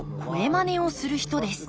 まねをする人です